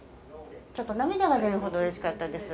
ちょっと涙が出るほどうれしかったです。